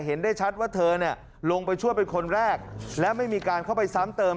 เห็นได้ชัดว่าเธอเนี่ยลงไปช่วยเป็นคนแรกและไม่มีการเข้าไปซ้ำเติม